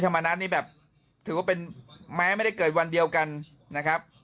มณัฐนี่แบบถือว่าเป็นแม้ไม่ได้เกิดวันเดียวกันนะครับ